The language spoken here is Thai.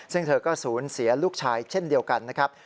ซึ่งเธอก็สูญเสียลูกชายเช่นเดียวกันนะครับ